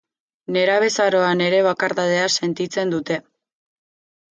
Nerabezaroan ere bakardadea sentitzen dute.